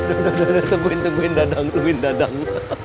udah udah udah temuin temuin dadang temuin dadang